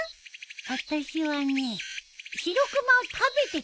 あたしはねしろくまを食べてきた。